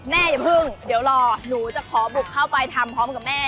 อย่าเพิ่งเดี๋ยวรอหนูจะขอบุกเข้าไปทำพร้อมกับแม่